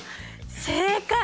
正解！